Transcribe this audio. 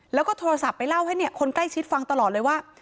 แล้วก็โทรศัพท์ไปเล่าให้คนใกล้ชิดฟังตลอดเลยว่า